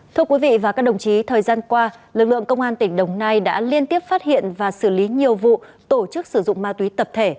thưa quý vị và các đồng chí thời gian qua lực lượng công an tỉnh đồng nai đã liên tiếp phát hiện và xử lý nhiều vụ tổ chức sử dụng ma túy tập thể